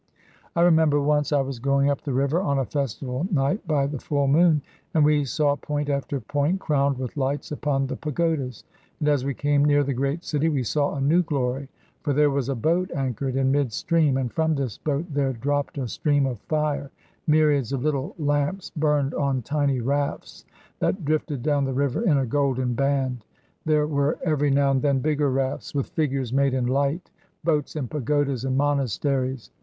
I remember once I was going up the river on a festival night by the full moon, and we saw point after point crowned with lights upon the pagodas; and as we came near the great city we saw a new glory; for there was a boat anchored in mid stream, and from this boat there dropped a stream of fire; myriads of little lamps burned on tiny rafts that drifted down the river in a golden band. There were every now and then bigger rafts, with figures made in light boats and pagodas and monasteries.